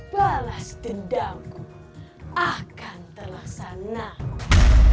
balas dendamku akan telah sanaku